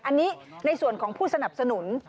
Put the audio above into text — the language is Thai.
อันนี้ในส่วนของผู้สนับสนุน